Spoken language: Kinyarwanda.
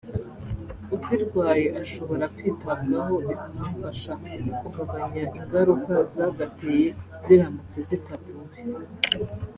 uzirwaye ashobora kwitabwaho bikamufasha kugabanya ingaruka zagateye ziramutse zitavuwe